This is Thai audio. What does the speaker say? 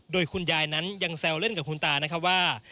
โดยคุณยายนั้นยังแซวเล่นกับคุณตานะครับว่า